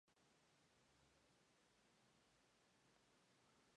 Actualmente es el entrenador del Juvenil División de Honor del Cádiz Club de Fútbol.